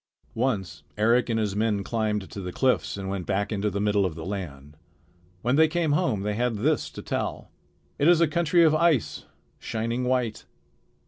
Once Eric and his men climbed the cliffs and went back into the middle of the land. When they came home they had this to tell: "It is a country of ice, shining white.